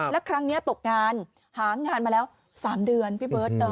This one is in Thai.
แล้วครั้งนี้ตกงานหางานมาแล้ว๓เดือนพี่เบิร์ต